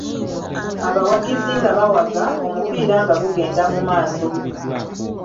Abawagizi nga bawaga, omupiira nga gugenda mu maaso.